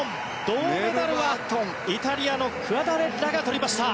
銅メダルはイタリアのクアダレッラがとりました。